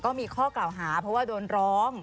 ก็มีข้อกล่าวหาเพราะว่าโดนร้อง